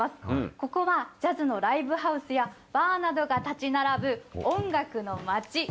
ここは、ジャズのライブハウスやバーなどが建ち並ぶ音楽の街。